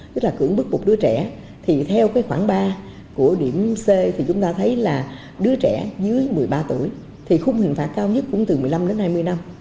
tức là cưỡng bức một đứa trẻ thì theo khoảng ba của điểm c thì chúng ta thấy là đứa trẻ dưới một mươi ba tuổi thì khung hình phạt cao nhất cũng từ một mươi năm đến hai mươi năm